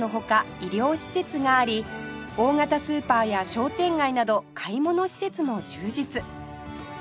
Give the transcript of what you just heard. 医療施設があり大型スーパーや商店街など買い物施設も充実